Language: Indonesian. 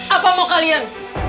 apa mau kalian